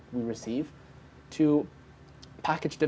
untuk memakai topik topik yang rumit